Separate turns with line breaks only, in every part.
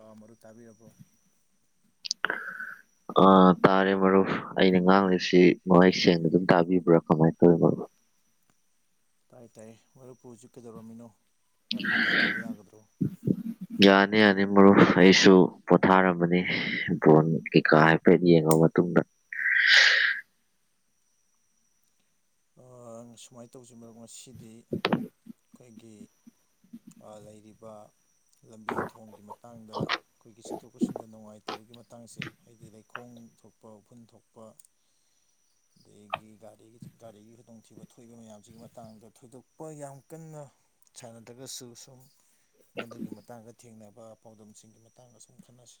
ꯑꯥ ꯃꯔꯨꯞ ꯇꯥꯕꯤꯔꯕ꯭ꯔꯣ
ꯑ ꯇꯥꯔꯦ ꯃꯔꯨꯞ ꯑꯩꯅ ꯉꯥꯡꯂꯤꯁꯤ ꯃꯩ ꯁꯦꯡꯅ ꯑꯗꯨꯝ ꯇꯥꯕꯤꯕ꯭ꯔꯥ ꯀꯃꯥꯏꯅ ꯇꯧꯋꯤ ꯃꯔꯨꯞ
ꯇꯥꯏ ꯇꯥꯏ ꯃꯔꯨꯞꯄꯨꯔꯁꯨ ꯀꯩꯗꯧꯔꯝꯃꯤꯅꯣ ꯋꯥꯔꯤ ꯋꯥꯇꯥꯏ ꯇꯧꯕ ꯌꯥꯒꯗ꯭ꯔꯣ
ꯌꯥꯅꯤ ꯑꯅꯤ ꯃꯔꯨꯞ ꯑꯩꯁꯨ ꯄꯣꯊꯥꯔꯝꯕꯅꯤ ꯕꯣꯟ ꯀꯩꯀꯥ ꯍꯥꯏꯐꯦꯠ ꯌꯦꯡꯉ ꯃꯇꯨꯡꯗ
ꯑꯪ ꯁꯨꯃꯥꯏꯅ ꯇꯧꯁꯤ ꯑꯁꯤ ꯃꯔꯛ ꯉꯁꯤꯗꯤ ꯑꯩꯈꯣꯏꯒꯤ ꯂꯩꯔꯤꯕ ꯂꯝꯕꯤ ꯊꯣꯡꯒꯤ ꯃꯇꯥꯡꯗ ꯑꯩꯈꯣꯏꯒꯤ ꯆꯠꯊꯣꯛ ꯆꯠꯁꯤꯟꯗ ꯅꯨꯡꯉꯥꯏꯇ ꯂꯩꯇꯕꯒꯤ ꯃꯇꯥꯡꯁꯦ ꯍꯥꯏꯗꯤ ꯂꯩꯈꯣꯡ ꯊꯣꯛꯄ ꯎꯐꯨꯟ ꯊꯣꯛꯄ ꯑꯗꯒꯤ ꯒꯥꯔꯤꯒꯤ ꯒꯥꯔꯤꯒꯤ ꯈꯨꯗꯣꯡꯊꯤꯕ ꯊꯣꯛꯏꯕ ꯃꯌꯥꯝꯁꯤꯒꯤ ꯃꯇꯥꯡꯗ ꯊꯣꯏꯗꯣꯛꯄ ꯌꯥꯝ ꯀꯟꯅ ꯁꯥꯟꯅꯗ꯭ꯔꯒꯁꯨ ꯁꯨꯝ ꯃꯗꯨꯒꯤ ꯃꯇꯥꯡꯗ ꯊꯦꯡꯅꯕ ꯄꯥꯎꯗꯝꯁꯤꯡꯒꯤ ꯃꯇꯥꯡꯗ ꯁꯨꯝ ꯈꯟꯅꯁꯤ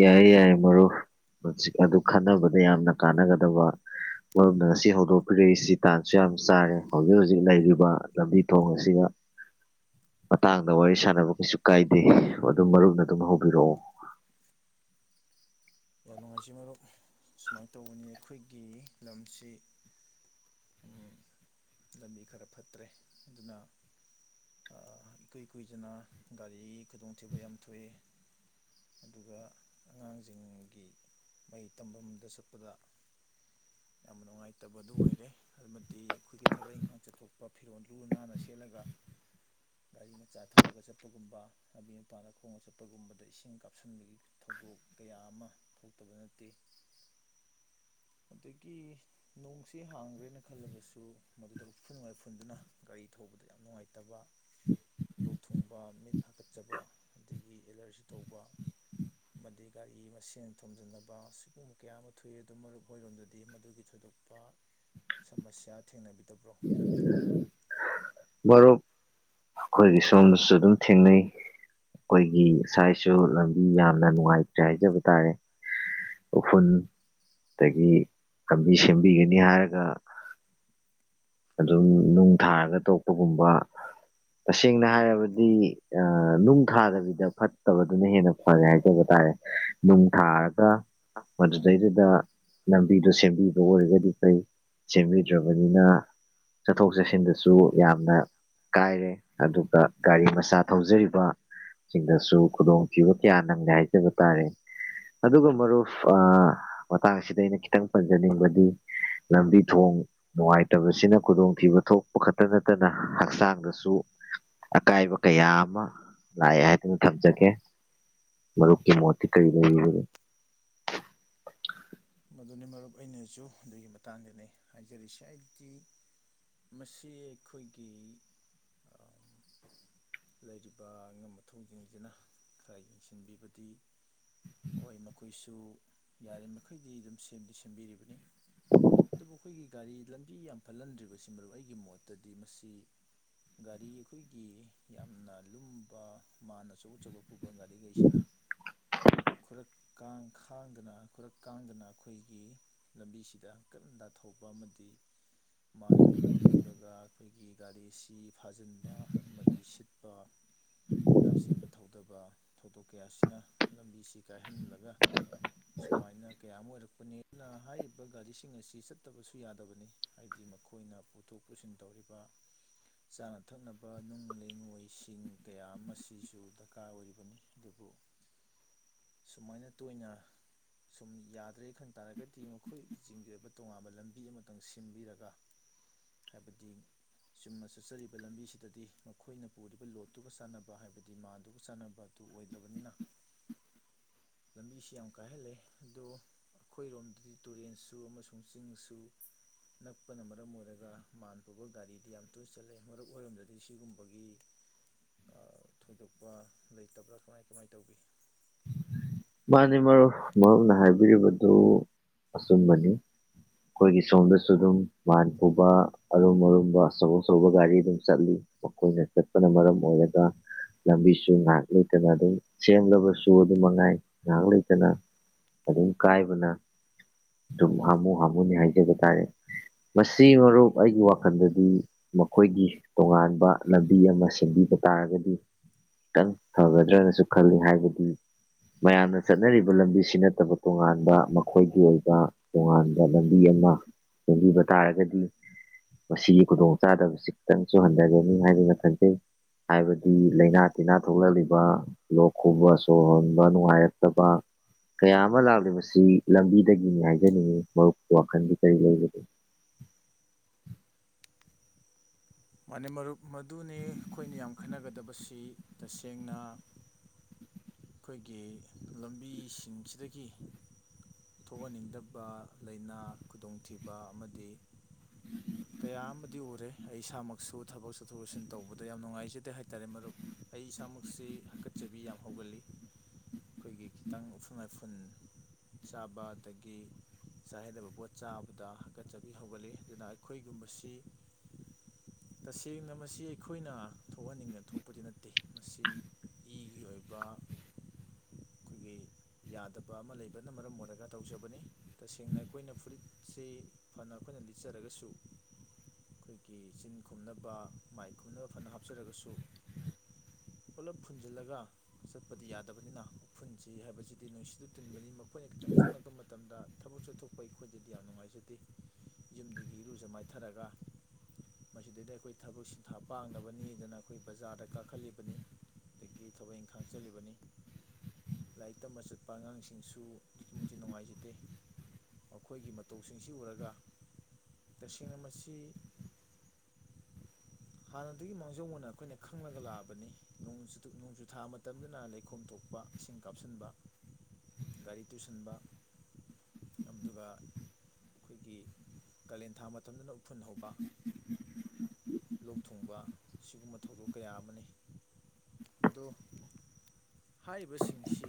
ꯌꯥꯏ ꯌꯥꯏꯦ ꯃꯔꯨ ꯑꯗꯨ ꯈꯟꯅꯕꯗ ꯌꯥꯝꯅ ꯀꯥꯟꯅꯒꯗꯕ ꯃꯔꯨꯞꯅ ꯉꯁꯤ ꯍꯧꯗꯣꯛꯄꯤꯔꯛꯏꯁꯤ ꯇꯥꯟꯁꯨ ꯌꯥꯝ ꯆꯥꯔꯦ ꯍꯧꯖꯤꯛ ꯍꯧꯖꯤꯛ ꯂꯩꯔꯤꯕ ꯂꯝꯕꯤ ꯊꯣꯡ ꯑꯁꯤꯒ ꯃꯇꯥꯡꯗ ꯋꯥꯔꯤ ꯁꯥꯟꯅꯕ ꯀꯩꯁꯨ ꯀꯥꯏꯗꯦ ꯑꯗꯨ ꯃꯔꯨꯞꯅ ꯑꯗꯨꯝ ꯍꯧꯕꯤꯔꯛꯑꯣ
ꯌꯥꯝ ꯅꯨꯡꯉꯥꯏꯖꯩ ꯃꯔꯨꯞ ꯁꯨꯃꯥꯏꯅ ꯇꯧꯕꯅꯤ ꯑꯩꯈꯣꯏꯒꯤ ꯂꯝꯁꯤ ꯂꯝꯕꯤ ꯈꯔ ꯐꯠꯇ꯭ꯔꯦ ꯑꯗꯨꯅ ꯏꯀꯨꯏ ꯀꯨꯏꯗꯅ ꯒꯥꯔꯤ ꯈꯨꯗꯣꯡꯊꯤꯕ ꯌꯥꯝ ꯊꯣꯛꯑꯦ ꯑꯗꯨꯒ ꯑꯉꯥꯡꯁꯤꯡ ꯑꯩ ꯒꯤ ꯃꯍꯩ ꯇꯝꯐꯝꯗ ꯆꯠꯄꯗ ꯌꯥꯝꯅ ꯅꯨꯡꯉꯥꯏꯇꯕꯗꯨ ꯑꯣꯏꯔꯦ ꯑꯃꯗꯤ ꯑꯩꯈꯣꯏꯒꯤ ꯊꯕꯛ ꯏꯪꯈꯥꯡ ꯆꯠꯊꯣꯛꯄ ꯐꯤꯔꯣꯜ ꯂꯨ ꯅꯥꯟꯅ ꯁꯦꯠꯂꯒ ꯒꯥꯔꯤ ꯃꯆꯥ ꯊꯧꯔꯒ ꯆꯠꯄꯒꯨꯝꯕ ꯃꯄꯤ ꯃꯄꯥꯅ ꯈꯣꯡꯅ ꯆꯠꯄꯒꯨꯝꯕꯗ ꯏꯁꯤꯡ ꯀꯥꯞꯁꯤꯟꯕꯒꯤ ꯊꯧꯗꯣꯛ ꯀꯌꯥ ꯑꯃ ꯊꯣꯛꯇꯕ ꯅꯠꯇꯦ ꯑꯗꯒꯤ ꯅꯣꯡꯁꯤ ꯍꯥꯡꯈ꯭ꯔꯦꯅ ꯈꯜꯂꯕꯁꯨ ꯃꯗꯨꯗ ꯎꯐꯨꯟ ꯅꯨꯡꯉꯥꯏꯐꯨꯟꯗꯨꯅ ꯒꯥꯔꯤ ꯊꯧꯕꯗ ꯌꯥꯝ ꯅꯨꯡꯉꯥꯏꯇꯕ ꯂꯣꯛ ꯊꯨꯡꯕ ꯃꯤꯠ ꯍꯥꯀꯠꯆꯕ ꯑꯗꯒꯤ ꯑꯦꯂꯔꯖꯤ ꯊꯧꯕ ꯑꯃꯗꯤ ꯒꯥꯔꯤ ꯃꯁꯦꯟ ꯊꯣꯝꯖꯤꯟꯅꯕ ꯁꯤꯒꯨꯝꯕ ꯀꯌꯥ ꯑꯃ ꯊꯣꯛꯏ ꯑꯗꯨ ꯃꯔꯨꯞ ꯍꯔꯣꯝꯗꯗꯤ ꯃꯗꯨꯒꯤ ꯊꯣꯏꯗꯣꯛꯄ ꯁꯃꯁ꯭ꯌꯥ ꯊꯦꯡꯅꯕꯤꯗꯕ꯭ꯔꯣ
ꯃꯔꯨꯞ ꯑꯩꯈꯣꯏꯒꯤ ꯁꯣꯝꯅꯁꯨ ꯑꯗꯨꯝ ꯊꯦꯡꯅꯩ ꯑꯩꯈꯣꯏꯒꯤ ꯉꯁꯥꯏꯁꯨ ꯂꯝꯕꯤ ꯌꯥꯝꯅ ꯅꯨꯡꯉꯥꯏꯇ꯭ꯔꯦ ꯍꯥꯏꯖꯕ ꯇꯥꯔꯦ ꯎꯐꯨꯜ ꯑꯗꯒꯤ ꯂꯝꯕꯤ ꯁꯦꯝꯕꯤꯒꯅꯤ ꯍꯥꯏꯔꯒ ꯑꯗꯨꯝ ꯅꯨꯡ ꯊꯥꯔꯒ ꯇꯣꯛꯄꯒꯨꯝꯕ ꯇꯁꯦꯡꯅ ꯍꯥꯏꯔꯕꯗꯤ ꯅꯨꯡ ꯊꯥꯗꯕꯤꯗ ꯐꯠꯇꯕꯗꯨꯅ ꯍꯦꯟꯅ ꯐꯔꯦ ꯍꯥꯏꯖꯕ ꯇꯥꯔꯦ ꯅꯨꯡ ꯊꯥꯔꯒ ꯃ ꯇ ꯗ ꯂꯝꯕꯤꯗꯣ ꯁꯦꯝꯕꯤꯕ ꯑꯣꯏꯔꯒꯗꯤ ꯐꯩ ꯁꯦꯝꯕꯤꯗ꯭ꯔꯕꯅꯤꯅ ꯆꯠꯊꯣꯛ ꯆꯠꯁꯤꯟꯗꯁꯨ ꯌꯥꯝꯅ ꯀꯥꯏꯔꯦ ꯑꯗꯨꯒ ꯒꯥꯔꯤ ꯃꯆꯥ ꯊꯧꯖꯔꯤꯕ ꯁꯤꯡꯗꯁꯨ ꯈꯨꯗꯣꯡꯊꯤꯕ ꯀꯌꯥ ꯅꯪꯪꯂꯦ ꯍꯥꯏꯖꯕ ꯇꯥꯔꯦ ꯑꯗꯨꯒ ꯃꯔꯨꯞ ꯃꯇꯥꯡ ꯑꯁꯤꯗ ꯑꯩꯅ ꯈꯤꯇꯪ ꯄꯟꯖꯅꯤꯡꯕꯗꯤ ꯂꯝꯕꯤ ꯊꯣꯡ ꯅꯨꯡꯉꯥꯏꯇꯕꯁꯤꯅ ꯈꯨꯗꯣꯡꯊꯤꯕ ꯊꯣꯛꯄ ꯈꯛꯇ ꯅꯠꯇꯅ ꯍꯛꯆꯥꯡꯗꯁꯨ ꯑꯀꯥꯏꯕ ꯀꯌꯥ ꯑꯃ ꯂꯥꯛꯑꯦ ꯍꯥꯏꯗꯅ ꯊꯝꯖꯒꯦ ꯃꯔꯨꯞꯀꯤ ꯃꯣꯠꯇꯤ ꯀꯔꯤ ꯂꯩꯔꯤꯕꯅꯦ
ꯃꯗꯨꯅꯤ ꯃꯔꯨꯞ ꯑꯩꯅꯁꯨ ꯑꯗꯨꯒꯤ ꯃꯇꯥꯡꯗꯅꯦ ꯍꯥꯏꯖꯔꯤꯁꯤꯦ ꯍꯥꯏꯕꯗꯤ ꯃꯁꯤ ꯑꯩꯈꯣꯏꯒꯤ ꯂꯩꯔꯤꯕ ꯑꯉꯝ ꯃꯊꯧꯁꯤꯡꯁꯤꯅ ꯈꯔ ꯌꯦꯡꯁꯤꯟꯕꯤꯕꯗꯤ ꯍꯣꯏ ꯃꯈꯣꯏꯁꯨ ꯌꯥꯔꯤ ꯃꯈꯩ ꯃꯈꯩꯗꯤ ꯑꯗꯨꯝ ꯁꯦꯝꯗꯤ ꯁꯦꯝꯕꯤꯔꯤꯕꯅꯤ ꯑꯗꯨꯕꯨ ꯑꯩꯈꯣꯏꯒꯤ ꯒꯥꯔꯤ ꯂꯝꯕꯤ ꯌꯥꯝ ꯐꯠꯍꯟꯗ꯭ꯔꯤꯕꯁꯤ ꯃꯔꯨꯞ ꯑꯩꯒꯤ ꯃꯣꯠꯇꯗꯤ ꯃꯁꯤ ꯒꯥꯔꯤ ꯑꯩꯈꯣꯏꯒꯤ ꯌꯥꯝꯅ ꯂꯨꯝꯕ ꯃꯥꯥꯟꯅ ꯑꯆꯧ ꯑꯆꯧꯕ ꯄꯨꯕ ꯒꯥꯔꯤꯈꯩꯁꯤꯅ ꯈꯨꯔꯛ ꯀꯥꯡ ꯈꯥꯡꯗꯅ ꯈꯨꯔꯛ ꯀꯥꯡꯗꯅ ꯑꯩꯈꯣꯏꯒꯤ ꯂꯝꯕꯤꯁꯤꯗ ꯍꯪꯀꯛꯟꯗꯥ ꯊꯧꯕ ꯑꯃꯗꯤ ꯃꯥꯟ ꯑꯔꯨꯝꯕ ꯄꯨꯔꯒ ꯑꯩꯈꯣꯏꯒꯤ ꯒꯥꯔꯤꯁꯤ ꯐꯥꯖꯤꯟꯕ ꯑꯃꯗꯤ ꯁꯤꯠꯄ ꯅꯥꯞꯆꯦꯠꯄ ꯊꯧꯗꯕ ꯊꯧꯗꯣꯛ ꯀꯌꯥꯁꯤꯅ ꯂꯝꯕꯤꯁꯤ ꯀꯥꯏꯍꯜꯂꯒ ꯁꯨꯃꯥꯏꯅ ꯀꯌꯥ ꯑꯃ ꯑꯣꯏꯔꯛꯄꯅꯤ ꯑꯗꯨꯅ ꯍꯥꯏꯔꯤꯕ ꯒꯥꯔꯤꯁꯤꯡ ꯑꯁꯤ ꯆꯠꯇꯕꯁꯨ ꯌꯥꯗꯕꯅꯤ ꯍꯥꯏꯗꯤ ꯃꯈꯣꯏꯅ ꯄꯨꯊꯣꯛ ꯄꯨꯁꯤꯟ ꯇꯧꯔꯤꯕ ꯆꯥꯅ ꯊꯛꯅꯕ ꯅꯨꯡ ꯂꯩꯉꯣꯏꯁꯤꯡ ꯀꯌꯥ ꯑꯃꯁꯤꯁꯨ ꯗꯔꯀꯥꯔ ꯑꯣꯏꯔꯤꯕꯅꯤ ꯑꯗꯨꯕꯨ ꯁꯨꯃꯥꯏꯅ ꯇꯣꯏꯅ ꯁꯨꯝ ꯌꯥꯗ꯭ꯔꯦ ꯈꯟ ꯇꯥꯔꯒꯗꯤ ꯃꯈꯣꯏꯒꯤꯁꯤꯡꯒꯤꯤꯡꯒꯤ ꯑꯣꯏꯕ ꯇꯣꯉꯥꯟꯕ ꯂꯝꯕꯤ ꯑꯃꯇꯪ ꯁꯦꯝꯕꯤꯔꯒ ꯍꯥꯏꯕꯗꯤ ꯆꯨꯝꯅ ꯆꯠꯆꯔꯤꯕ ꯂꯝꯕꯤꯁꯤꯗꯗꯤ ꯃꯈꯣꯏꯅ ꯄꯨꯔꯤꯕ ꯂꯣꯠꯇꯨꯒ ꯆꯥꯟꯅꯕ ꯍꯥꯏꯕꯗꯤ ꯃꯥꯥꯟꯗꯨꯒ ꯆꯥꯅꯕ ꯑꯗꯨ ꯑꯣꯏꯗ꯭ꯔꯕꯅꯤꯅ ꯂꯝꯕꯤꯁꯤ ꯌꯥꯝ ꯀꯥꯏꯍꯜꯂꯦ ꯑꯗꯣ ꯑꯩꯈꯣꯏꯔꯣꯝꯗꯗꯤ ꯇꯨꯔꯦꯟꯁꯨ ꯑꯃꯁꯨꯡ ꯆꯤꯡꯁꯨ ꯅꯛꯄꯅ ꯃꯔꯝ ꯑꯣꯏꯔꯒ ꯃꯥꯟ ꯄꯨꯕ ꯒꯥꯔꯤꯗꯤ ꯌꯥꯝ ꯇꯣꯏ ꯆꯠꯂꯦ ꯃꯔꯨꯞ ꯑꯣꯏꯔꯣꯝꯗꯗꯤ ꯁꯤꯒꯨꯝꯕꯒꯤ ꯊꯣꯏꯗꯣꯛꯄ ꯂꯩꯇꯕ꯭ꯔꯥ ꯀꯃꯥꯏ ꯀꯃꯥꯏ ꯇꯧꯕꯤ
ꯃꯥꯅꯦ ꯃꯔ ꯃꯔꯨꯞꯅ ꯍꯥꯏꯕꯤꯔꯤꯕꯗꯨ ꯑꯆꯨꯝꯕꯅꯤ ꯑꯩꯈꯣꯏꯒꯤ ꯁꯣꯝꯗꯁꯨ ꯑꯗꯨꯝ ꯃꯥꯟ ꯄꯨꯕ ꯑꯔꯨꯝ ꯑꯔꯨꯝꯕ ꯑꯆꯧ ꯑꯆꯧꯕ ꯒꯥꯔꯤ ꯑꯗꯨꯝ ꯆꯠꯂꯤ ꯃꯈꯣꯏꯅ ꯆꯠꯄꯅ ꯃꯔꯝ ꯑꯣꯏꯔꯒ ꯂꯝꯕꯤꯁꯨ ꯉꯥꯏꯍꯥꯛ ꯂꯩꯇꯅ ꯑꯗꯨꯝ ꯁꯦꯝꯂꯕꯁꯨ ꯑꯗꯨꯝ ꯃꯉꯥꯏ ꯉꯥꯏꯍꯥꯛ ꯂꯩꯇꯅ ꯑꯗꯨꯝ ꯀꯥꯏꯕꯅ ꯁꯨꯝ ꯍꯥꯝꯃꯨ ꯍꯥꯝꯃꯨꯅꯤ ꯍꯥꯏꯖꯕ ꯇꯥꯔꯦ ꯃꯁꯤ ꯃꯔꯨꯞ ꯑꯩꯒꯤ ꯋꯥꯈꯜꯗꯗꯤ ꯃꯈꯣꯏꯒꯤ ꯇꯣꯉꯥꯟꯕ ꯂꯝꯕꯤ ꯑꯃ ꯁꯦꯝꯕꯤꯕ ꯇꯥꯔꯒꯗꯤ ꯈꯤꯇꯪ ꯐꯒꯗ꯭ꯔꯅꯁꯨ ꯈꯜꯂꯤ ꯍꯥꯏꯕꯗꯤ ꯃꯌꯥꯝꯅ ꯆꯠꯅꯔꯤꯕ ꯂꯝꯕꯤꯁꯤ ꯅꯠꯇꯕ ꯇꯣꯉꯥꯟꯕ ꯃꯈꯣꯏꯒꯤ ꯑꯣꯏꯕ ꯇꯣꯉꯥꯟꯕ ꯂꯝꯕꯤ ꯑꯃ ꯁꯦꯝꯕꯤꯕ ꯇꯥꯔꯒꯗꯤ ꯃꯁꯤꯒꯤ ꯈꯨꯗꯣꯡ ꯆꯥꯗꯕꯁꯤꯇꯪꯁꯨ ꯍꯟꯊꯒꯅꯤ ꯍꯥꯏꯗꯅ ꯈꯟꯖꯩ ꯍꯥꯏꯕꯗꯤ ꯂꯩꯥꯏꯅꯥ ꯇꯤꯟꯅꯥ ꯊꯣꯛꯂꯛꯂꯤꯕ ꯂꯣꯛ ꯈꯨꯕ ꯁꯣꯔ ꯍꯣꯟ ꯅꯨꯡꯉꯥꯏꯔꯛꯇꯕ ꯀꯌꯥ ꯑꯃ ꯂꯥꯛꯂꯤ ꯃꯁꯤ ꯂꯝꯕꯤꯗꯒꯤꯅꯤ ꯍꯥꯏꯖꯅꯤꯡꯉꯤ ꯃꯔꯨꯞꯀꯤ ꯋꯥꯈꯜꯗꯤ ꯀꯔꯤ ꯂꯩꯕꯒꯦ
ꯃ ꯃꯔꯨꯞ ꯃꯗꯨꯅꯤ ꯑꯩꯈꯣꯏꯅ ꯌꯥꯝ ꯈꯟꯅꯒꯗꯕꯁꯤ ꯇꯁꯦꯡꯅ ꯑꯩꯈꯣꯏꯒꯤ ꯂꯝꯕꯤꯁꯤꯡꯁꯤꯗꯒꯤ ꯊꯣꯛꯍꯟꯅꯤꯡꯗꯕ ꯂꯥꯏꯅꯥ ꯈꯨꯗꯣꯡꯊꯤꯕ ꯑꯃꯗꯤ ꯀꯌꯥꯝꯕꯗꯤ ꯎꯔꯦ ꯑꯩ ꯏꯁꯥꯃꯛ ꯁꯨ ꯊꯕꯛ ꯆꯠꯊꯣꯛ ꯆꯠꯁꯤꯟ ꯇꯧꯕꯗ ꯌꯥꯝ ꯅꯨꯡꯉꯥꯏꯖꯗꯦ ꯍꯥꯏꯇꯥꯔꯦ ꯃꯔꯨꯞ ꯑꯩ ꯏꯁꯥꯃꯛꯁꯤ ꯍꯥꯀꯠꯆꯕꯤ ꯌꯥꯝ ꯍꯧꯒꯜꯂꯤ ꯑꯩꯈꯣꯏꯒꯤ ꯈꯤꯇꯪ ꯎꯐꯨꯟ ꯉꯥꯏꯐꯨꯟ ꯆꯥꯕ ꯑꯗꯒꯤ ꯆꯥ ꯍꯩꯗꯕ ꯄꯣꯠ ꯆꯥꯕꯗ ꯍꯥꯀꯠꯆꯕꯤ ꯍꯧꯒꯠꯂꯤ ꯑꯗꯨꯅ ꯑꯩꯈꯣꯏꯒꯨꯝꯕꯁꯤ ꯇꯁꯦꯡꯅ ꯃꯁꯤ ꯑꯩꯈꯣꯏꯅ ꯊꯣꯛꯍꯟꯅꯤꯡꯗ ꯊꯣꯛꯄꯗꯤ ꯅꯠꯇꯦ ꯃꯁꯤ ꯏꯒꯤ ꯑꯣꯏꯕ ꯑꯩꯈꯣꯏꯒꯤ ꯌꯥꯗꯕ ꯑꯃ ꯂꯩꯕꯅ ꯃꯔꯝ ꯑꯣꯏꯔꯒ ꯇꯧꯖꯕꯅꯤ ꯇꯁꯦꯡꯅ ꯑꯩꯈꯣꯏꯅ ꯐꯨꯔꯤꯠꯁꯤ ꯐꯅ ꯑꯩꯈꯣꯏꯅ ꯂꯤꯠꯆꯔꯒꯁꯨ ꯑꯩꯈꯣꯏꯒꯤ ꯆꯤꯟ ꯈꯨꯝꯅꯕ ꯃꯥꯏ ꯈꯨꯝꯅꯕ ꯐꯅ ꯍꯥꯞꯆꯔꯒꯁꯨ ꯄꯨꯂꯞ ꯐꯨꯟꯖꯤꯜꯂꯒ ꯆꯠꯄꯗꯤ ꯌꯥꯗꯕꯅꯤꯅ ꯐꯨꯟꯁꯤ ꯍꯥꯏꯕꯁꯤꯗꯤ ꯅꯨꯡꯁꯤꯗ ꯇꯤꯟꯕꯅꯤ ꯃꯈ ꯑꯩꯈꯣꯏꯅ ꯈꯤꯇꯪ ꯆꯪꯂꯛꯄ ꯃꯇꯝꯗ ꯊꯕꯛ ꯆꯠꯊꯣꯛꯄ ꯑꯩꯈꯣꯏꯗꯗꯤ ꯌꯥꯝ ꯅꯨꯡꯉꯥꯏꯖꯗꯦ ꯌꯨꯝꯗꯒꯤ ꯏꯔꯨꯖ ꯃꯥꯏꯊꯔꯒ ꯃꯁꯤꯗꯩꯗ ꯑꯩꯈꯣꯏ ꯊꯕꯛ ꯁꯤꯟꯊꯥ ꯄꯥꯡꯅꯕꯅꯤꯗꯅ ꯑꯩꯈꯣꯏ ꯕꯖꯥꯔꯗ ꯀꯥꯈꯠꯜꯂꯤꯕꯅꯤ ꯑꯗꯒꯤ ꯊꯕꯛ ꯏꯪꯈꯥꯡ ꯆꯜꯂꯤꯕꯅꯤ ꯂꯥꯏꯔꯤꯛ ꯇꯝꯕ ꯆꯠꯄ ꯑꯉꯥꯡꯁꯤꯡꯁꯨ ꯑꯗꯨꯛꯀꯤ ꯃꯇꯤꯛ ꯅꯨꯡꯉꯥꯏꯖꯗꯦ ꯃꯈꯣꯏꯒꯤ ꯃꯇꯧꯁꯤꯡꯁꯤ ꯎꯔꯒ ꯇꯁꯦꯡꯅ ꯃꯁꯤ ꯍꯥꯟꯅꯗꯨꯒꯤ ꯃꯥꯡꯖꯧꯅꯅ ꯑꯩꯈꯣꯏꯅ ꯈꯪꯂꯒ ꯂꯥꯛꯑꯕꯅꯤ ꯅꯣꯡꯖꯨꯊꯥ ꯃꯇꯝꯗꯅ ꯂꯩꯈꯣꯝ ꯊꯣꯛꯄ ꯏꯁꯤꯡ ꯀꯥꯞꯁꯤꯟꯕ ꯒꯥꯔꯤ ꯇꯨꯁꯟꯕ ꯑꯗꯨꯒ ꯑꯩꯈꯣꯏꯒꯤ ꯀꯥꯂꯦꯟ ꯊꯥ ꯃꯇꯝꯗꯅ ꯎꯐꯨꯟ ꯍꯧꯕ ꯂꯧ ꯊꯨꯡꯕ ꯁꯤꯒꯨꯝꯕ ꯊꯧꯗꯣꯛ ꯀꯌꯥ ꯑꯃꯅꯤ ꯑꯗꯣ ꯍꯥꯏꯔꯤꯕꯁꯤꯡꯁꯤ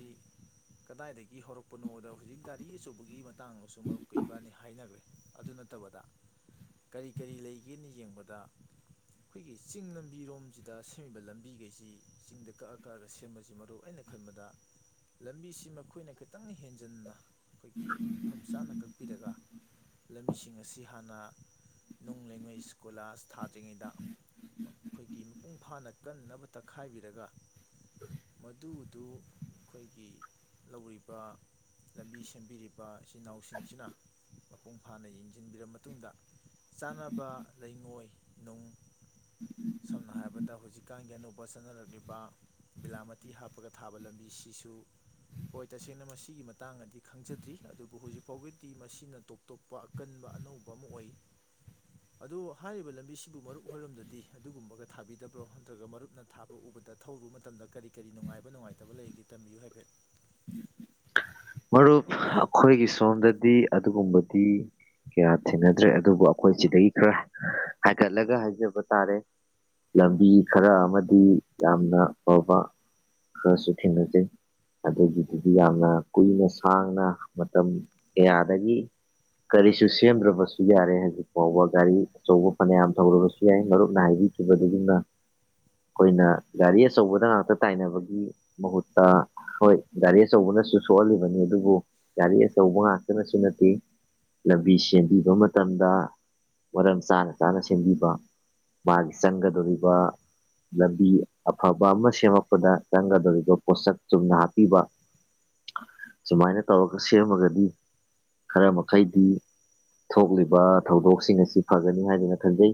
ꯀꯗꯥꯏꯗꯒꯤ ꯍꯧꯔꯛꯄꯅꯣꯗ ꯍꯧꯖꯤꯛ ꯒꯥꯔꯤ ꯑꯆꯧꯕꯒꯤ ꯃꯇꯥꯡꯗꯁꯨ ꯃꯔꯨꯞ ꯀꯩꯕꯅꯤ ꯍꯥꯏꯅꯈ꯭ꯔꯦ ꯑꯗꯨ ꯅꯠꯇꯕꯗ ꯀꯔꯤ ꯀꯔꯤ ꯂꯩꯒꯦꯅ ꯌꯦꯡꯕꯗ ꯑꯩꯈꯣꯏꯒꯤ ꯆꯤꯡ ꯂꯝꯕꯤꯔꯣꯝꯁꯤꯗ ꯁꯦꯝꯃꯤꯕ ꯂꯝꯕꯤꯈꯩꯁꯤ ꯆꯤꯡꯗ ꯀꯛꯑ ꯀꯛꯑꯒ ꯁꯦꯝꯕꯁꯤ ꯃꯔꯨ ꯑꯩꯅ ꯈꯟꯕꯗ ꯂꯝꯕꯤꯁꯤ ꯃꯈꯣꯏꯅ ꯈꯤꯇꯪ ꯍꯦꯟꯖꯟꯅ ꯑꯩꯈꯣꯏꯒꯤ ꯃꯐꯝ ꯆꯥꯅ ꯀꯛꯄꯤꯔꯒ ꯂꯝꯕꯤꯁꯤꯡ ꯑꯁꯤ ꯍꯥꯟꯅ ꯅꯨꯡ ꯂꯩꯉꯩ ꯁ꯭ꯀꯣꯂꯥꯥꯁ ꯊꯥꯗ꯭ꯔꯤꯉꯩꯗ ꯑꯩꯈꯣꯏꯒꯤ ꯃꯄꯨꯡ ꯐꯥꯅ ꯀꯟꯅꯕ ꯇꯛꯈꯥꯏꯕꯤꯔꯒ ꯃꯗꯨꯗꯨ ꯑꯩꯈꯣꯏꯒꯤ ꯂꯧꯔꯤꯕ ꯂꯝꯕꯤ ꯁꯦꯝꯕꯤꯔꯤꯕ ꯏꯆꯤꯟꯜ ꯏꯅꯥꯎꯁꯤꯡꯁꯤꯅ ꯃꯄꯨꯡ ꯐꯥꯅ ꯌꯦꯡꯁꯤꯟꯕꯤꯔ ꯃꯇꯨꯡꯗ ꯆꯥꯟꯅꯕ ꯂꯩꯉꯣꯏ ꯅꯨꯡ ꯁꯝꯅ ꯍꯥꯏꯔꯕꯗ ꯍꯧꯖꯤꯛꯀꯥꯟꯒꯤ ꯑꯅꯧꯕ ꯆꯠꯅꯔꯛꯂꯤꯕ ꯕꯤꯂꯥꯃꯇꯤ ꯍꯥꯞꯄꯒ ꯊꯥꯕ ꯂꯝꯕꯤꯁꯤꯁꯨ ꯍꯣꯏ ꯇꯁꯦꯡꯅ ꯃꯁꯤꯒꯤ ꯃꯇꯥꯡꯗꯤ ꯈꯪꯖꯗ꯭ꯔꯤ ꯑꯗꯨꯕꯨ ꯍꯧꯖꯤꯛ ꯐꯥꯎꯒꯤꯗꯤ ꯃꯁꯤꯅ ꯇꯣꯞ ꯇꯣꯞꯄ ꯑꯀꯟꯕ ꯑꯅꯧꯕ ꯑꯃ ꯑꯣꯏ ꯑꯗꯨ ꯍꯥꯏꯔꯤꯕ ꯂꯝ ꯄꯕꯤꯁꯤꯕꯨ ꯃꯔꯨꯞ ꯑꯣꯏꯔꯝꯗꯗꯤ ꯑꯗꯨꯒꯨꯝꯕꯒ ꯊꯥꯕꯤꯗꯕ꯭ꯔꯣ ꯅꯠꯇ꯭ꯔꯒ ꯃꯔꯨꯞꯅ ꯊꯥꯕ ꯎꯕꯗ ꯊꯧꯔꯨꯕ ꯃꯇꯝꯗ ꯀꯔꯤ ꯀꯔꯤ ꯅꯨꯡꯉꯥꯏꯕ ꯅꯨꯡꯉꯥꯏꯇꯕ ꯂꯩꯒꯦ ꯇꯝꯕꯤꯌꯨ ꯍꯥꯏꯐꯦꯠ
ꯃꯔꯨꯞ ꯑꯩꯈꯣꯏꯒꯤ ꯁꯣꯝꯗꯗꯤ ꯑꯗꯨꯒꯨꯝꯕꯗꯤ ꯀꯌꯥ ꯊꯦꯡꯅꯗ꯭ꯔꯦ ꯑꯗꯨꯕꯨ ꯑꯩꯈꯣꯏ ꯁꯤꯗꯒꯤ ꯈꯔ ꯍꯥꯏꯒꯠꯂꯒ ꯍꯥꯏꯖꯕ ꯇꯥꯔꯦ ꯂꯝꯕꯤ ꯈꯔ ꯑꯃꯗꯤ ꯌꯥꯝꯅ ꯐꯕ ꯈꯔꯁꯨ ꯊꯦꯡꯅꯖꯩ ꯑꯗꯨꯒꯤꯗꯨꯗꯤ ꯌꯥꯝꯅ ꯀꯨꯏꯅ ꯁꯥꯡꯅ ꯃꯇꯝ ꯀꯌꯥꯗꯒꯤ ꯀꯔꯤꯁꯨ ꯁꯦꯝꯗ꯭ꯔꯕꯁꯨ ꯌꯥꯔꯦ ꯍꯧꯖꯤꯛ ꯐꯥꯎꯕ ꯒꯥꯔꯤ ꯑꯆꯧꯕ ꯐꯅꯌꯥꯝ ꯊꯧꯔꯕꯁꯨ ꯌꯥꯏ ꯃꯔꯨꯞꯅ ꯍꯥꯏꯕꯤꯈꯤꯕꯗꯨꯅ ꯑꯩꯈꯣꯏꯅ ꯒꯥꯔꯤ ꯑꯆꯧꯕꯗ ꯉꯥꯛꯇ ꯇꯥꯏꯅꯕꯒꯤ ꯃꯍꯨꯠꯇ ꯍꯣꯏ ꯒꯥꯔꯤ ꯑꯆꯧꯕꯅꯁꯨ ꯁꯣꯛꯍꯜꯂꯤꯕꯅꯤ ꯑꯗꯨꯕꯨ ꯒꯥꯔꯤ ꯑꯆꯧꯕ ꯉꯥꯛꯇꯅꯁꯨ ꯅꯠꯇꯦ ꯂꯝꯕꯤ ꯁꯦꯝꯕꯤꯕ ꯃꯇꯝꯗ ꯃꯔꯝ ꯆꯥꯅ ꯆꯥꯅ ꯁꯦꯝꯕꯤꯕ ꯃꯥꯒꯤ ꯆꯪꯒꯗꯧꯔꯤꯕ ꯂꯝꯕꯤ ꯑꯐꯕ ꯑꯃ ꯁꯦꯝꯃꯛꯄꯗ ꯆꯪꯒꯗꯧꯔꯤꯕ ꯄꯣꯠꯁꯛ ꯆꯨꯝꯅ ꯍꯥꯞꯄꯤꯕ ꯁꯨꯃꯥꯏꯅ ꯇꯧꯔꯒ ꯁꯦꯝꯃꯒꯗꯤ ꯈꯔ ꯃꯈꯩꯗꯤ ꯊꯣꯛꯂꯤꯕ ꯊꯧꯗꯣꯛꯁꯤꯡ ꯑꯁꯤ ꯐꯒꯅꯤ ꯍꯥꯏꯗꯅ ꯈꯟꯖꯩ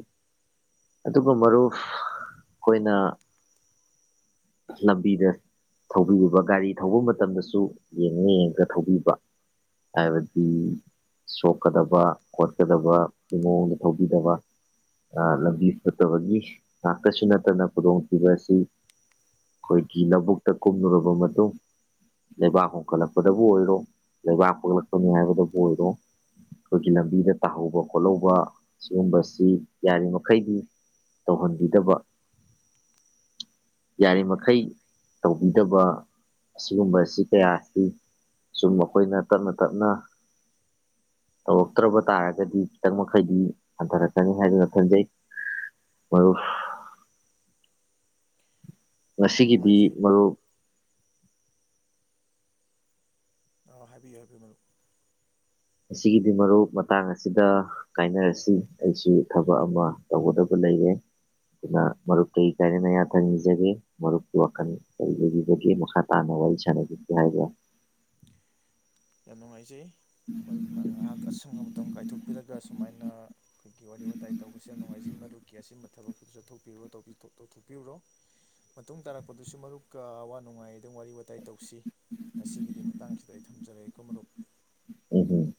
ꯑꯗꯨꯒ ꯃꯔꯨꯞ ꯑꯩꯈꯣꯏꯅ ꯂꯝꯕꯤꯗ ꯊꯧꯕꯤꯕ ꯒꯥꯔꯤ ꯊꯧꯕ ꯃꯇꯝꯗꯁꯨ ꯌꯦꯡꯉ ꯌꯦꯡꯉꯒ ꯊꯧꯕꯤꯕ ꯍꯥꯏꯕꯗꯤ ꯁꯣꯛꯀꯗꯕ ꯈꯣꯠꯀꯗꯕ ꯃꯑꯣꯡꯗ ꯊꯧꯕꯤꯗꯕ ꯂꯝꯕꯤ ꯐꯠꯇꯕꯒꯤ ꯉꯥꯛꯇꯁꯨ ꯅꯠꯇꯅ ꯈꯨꯗꯣꯡꯊꯤꯕ ꯑꯁꯤ ꯑꯩꯈꯣꯏꯒꯤ ꯂꯧꯕꯨꯛꯇ ꯀꯨꯝꯂꯨꯔꯕ ꯃꯇꯨꯡ ꯂꯩꯕꯥꯛ ꯍꯨꯝꯒꯠꯂꯛꯄꯗꯕꯨ ꯑꯣꯏꯔꯣ ꯂꯩꯕꯥꯛ ꯐꯒꯠꯂꯛꯄꯅꯤ ꯍꯥꯏꯕꯗꯕꯨ ꯑꯣꯏꯔꯣ ꯑꯩꯈꯣꯏꯒꯤ ꯂꯝꯕꯤꯗ ꯇꯥꯍꯧꯕ ꯈꯣꯠꯍꯧꯕ ꯑꯁꯤꯒꯨꯝꯕꯁꯤ ꯌꯥꯔꯤꯃꯈꯩꯗꯤ ꯇꯧꯍꯟꯕꯤꯗꯕ ꯌꯥꯔꯤꯃꯩ ꯇꯧꯕꯤꯗꯕ ꯑꯁꯤꯒꯨꯝꯕꯁꯤ ꯀꯌꯥ ꯑꯁꯤ ꯁꯨꯝ ꯃꯈꯣꯏꯅ ꯇꯞꯅ ꯇꯞꯅ ꯇꯧꯔꯛꯇ꯭ꯔꯕ ꯇꯥꯔꯒꯗꯤ ꯈꯤꯇꯪ ꯃꯈꯩꯗꯤ ꯍꯟꯊꯔꯛꯀꯅꯤ ꯍꯥꯏꯗꯨꯅ ꯈꯟꯖꯩ ꯃꯔꯨꯞ
ꯌꯥꯝ
ꯃꯁꯤꯒꯤꯗꯤ
ꯅꯨꯡꯉꯥꯏꯖꯩ
ꯃꯔꯨꯞ
ꯑ ꯍꯥꯏꯕꯤꯌꯨ ꯍꯥꯏꯕꯤꯌꯨ ꯃꯔꯨꯞ
ꯑꯁꯤꯒꯤꯒꯤꯗꯤ ꯃꯔꯨꯞ ꯃꯇꯥꯡ ꯑꯁꯤꯗ ꯀꯥꯏꯅꯔꯁꯤ ꯑꯩꯁꯨ ꯊꯕꯛ ꯑꯃ ꯇꯧꯒꯗꯕ ꯂꯩꯔꯦ ꯑꯗꯨꯅ ꯃꯔꯨꯞ ꯀꯔꯤ ꯀꯥꯏꯅꯅ ꯌꯥ ꯊꯪꯅꯤꯖꯒꯦ ꯃꯔꯨꯞꯀꯤꯨ ꯋꯥꯈꯜ ꯀꯔꯤ ꯂꯩꯕꯤꯕꯒꯦ ꯃꯈꯥ ꯇꯥꯅ ꯋꯥꯔꯤ ꯁꯥꯟꯅꯕꯤꯒꯦ ꯍꯥꯏꯕꯥ
ꯌꯥꯝ ꯅꯨꯡꯉꯥꯏꯖꯩ ꯃꯔꯨꯞꯅ ꯉꯥꯏꯍꯥꯛ ꯑꯁꯪꯕ ꯃꯇꯝ ꯀꯥꯏꯊꯣꯛꯄꯤꯔꯒ ꯁꯨꯃꯥꯏꯅ ꯑꯩꯈꯣꯏꯒꯤ ꯋꯥꯔꯤ ꯋꯥꯇꯥꯏ ꯇꯧꯕꯁꯨ ꯌꯥꯝ ꯅꯨꯡꯉꯥꯏꯖꯩ ꯃꯔꯗꯨ ꯀ ꯑꯁꯤ ꯊꯕꯛꯁꯤꯗ ꯆꯠꯊꯣꯛꯄꯤꯔꯨꯔꯣ ꯇꯧꯊꯣꯛꯄꯤꯔꯨꯔꯣ ꯃꯇꯨꯡ ꯇꯥꯔꯛꯄꯗꯨꯁꯨ ꯃꯔꯨꯞꯀ ꯑꯋꯥ ꯅꯨꯡꯉꯥꯏ ꯑꯗꯨꯝ ꯋꯥꯔꯤ ꯋꯥꯇꯥꯏ ꯇꯧꯁꯤ ꯉꯁꯤꯒꯤꯗꯤ ꯃꯇꯥꯡꯁꯤꯗ ꯑꯩ ꯊꯝꯖꯔꯒꯦ [inaudible]
ꯎꯝ